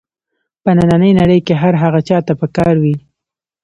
په نننۍ نړۍ کې هر هغه چا ته په کار وي.